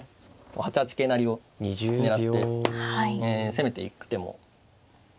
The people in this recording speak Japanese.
８八桂成を狙って攻めていく手もありますので。